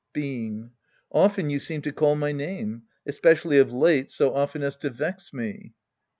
Being. Often you seem to call my name. Espe cially of late, so often as to vex me.